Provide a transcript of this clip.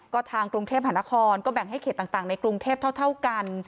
ก็ทางกรุงเทพหานครก็แบ่งให้เขตต่างในกรุงเทพเท่ากัน